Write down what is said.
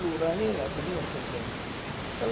lurah ini tidak perlu terbenam